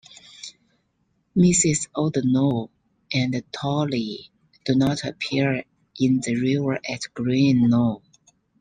Mrs. Oldknow and Tolly do not appear in "The River at Green Knowe".